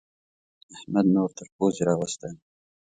احمد نور تر پوزې راوستی يم.